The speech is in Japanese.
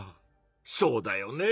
そうだよね。